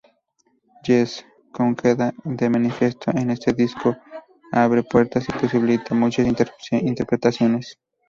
Yes, como queda de manifiesto en este disco, abre puertas y posibilita muchas interpretaciones.